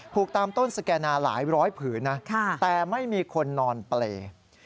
ตามต้นสแก่นาหลายร้อยผืนนะแต่ไม่มีคนนอนเปรย์